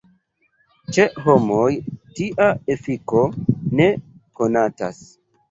Ĉe homoj tia efiko ne konatas.